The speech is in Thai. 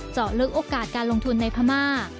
เจาะลึกโอกาสการลงทุนในพม่า